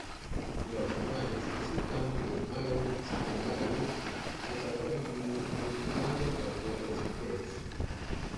Los anales citan que Máel Sechnaill atacó Dublín, aniquilando cualquier resistencia.